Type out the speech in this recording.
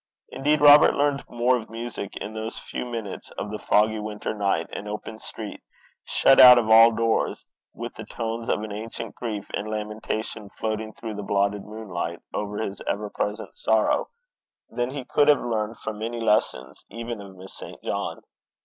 Indeed Robert learned more of music in those few minutes of the foggy winter night and open street, shut out of all doors, with the tones of an ancient grief and lamentation floating through the blotted moonlight over his ever present sorrow, than he could have learned from many lessons even of Miss St. John.